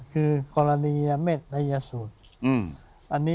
คือกรณียเม็ดทัยสูตร